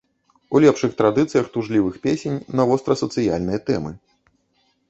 У лепшых традыцыях тужлівых песень на востра-сацыяльныя тэмы.